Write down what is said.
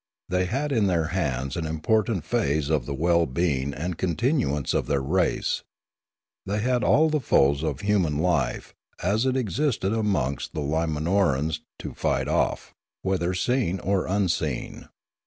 They had in their hands an important phase of the well being and con tinuance of their race. They had all the foes of human life, as it existed amongst the Limanorans, to fight off, 1 78 Limanora whether seen or unseen.